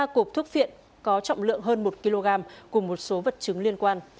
ba cục thuốc phiện có trọng lượng hơn một kg cùng một số vật chứng liên quan